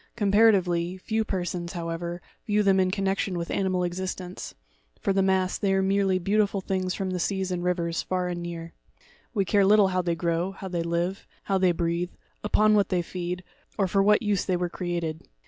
Comparatively, few persons, how ever, view them in connection with animal existence—for the mass, they are merely beautiful things from the seas and rivers, far and near. We care little how they grow, how they live, how they breathe, upon what they feed, or for what use they were created.